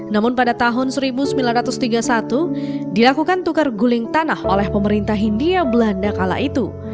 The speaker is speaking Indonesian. namun pada tahun seribu sembilan ratus tiga puluh satu dilakukan tukar guling tanah oleh pemerintah hindia belanda kala itu